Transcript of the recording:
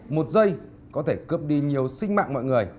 một giây có thể cướp đi nhiều sinh mạng mọi người